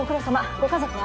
ご家族は？